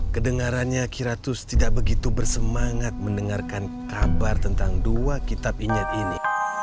kedengarannya kiraus tidak begitu bersemangat mendengarkan kabar tentang dua kitab ingat ini